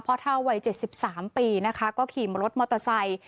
เท่าวัย๗๓ปีนะคะก็ขี่รถมอเตอร์ไซค์